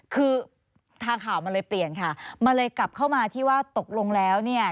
คือทางข่าวมันเลยเปลี่ยนค่ะมันเลยกลับเข้ามาที่ว่าตกลงแล้วเนี่ย